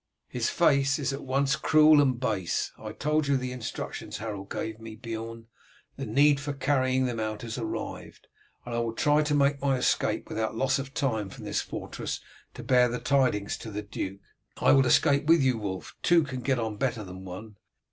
His face is at once cruel and base. I told you the instructions Harold gave me, Beorn; the need for carrying them out has arrived, and I will try to make my escape without loss of time from this fortress to bear the tidings to the duke." "I will escape with you, Wulf; two can get on better than one."